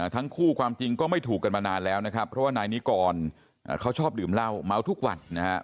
ทั้งคู่ความจริงก็ไม่ถูกกันมานานแล้วนะครับเพราะว่านายนิกรเขาชอบดื่มเหล้าเมาทุกวันนะครับ